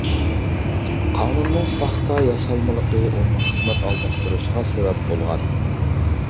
قانۇننىڭ ساختا، ياسالمىلىقى ئۇنىڭ خىزمەت ئالماشتۇرۇشىغا سەۋەب بولغان.